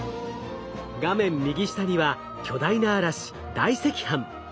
画面右下には巨大な嵐大赤斑。